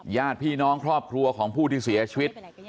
ญาติพี่น้องครอบครัวของผู้ที่เสียชีวิต